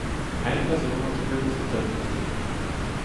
Eine Person auf dem Bild ist unterbelichtet.